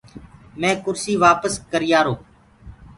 مينٚ ڪُرسي وآپس ڪريآرو۔